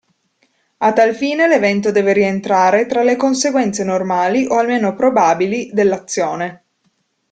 A tal fine l'evento deve rientrare tra le conseguenze normali o almeno probabili dell'azione.